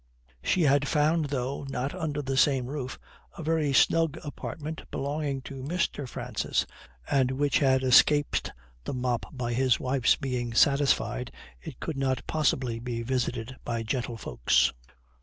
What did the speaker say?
She had found, though not under the same roof, a very snug apartment belonging to Mr. Francis, and which had escaped the mop by his wife's being satisfied it could not possibly be visited by gentle folks.